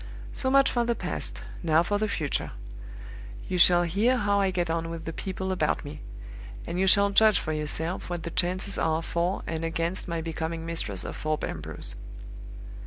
"So much for the past; now for the future. You shall hear how I get on with the people about me; and you shall judge for yourself what the chances are for and against my becoming mistress of Thorpe Ambrose.